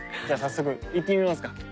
じゃあ早速行ってみますか。